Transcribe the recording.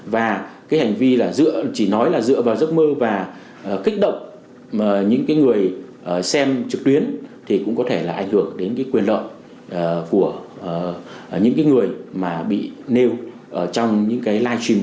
và cái hành vi là chỉ nói là dựa vào giấc mơ và kích động những cái người xem trực tuyến thì cũng có thể là ảnh hưởng đến cái quyền lợi của những người mà bị nêu trong những cái live stream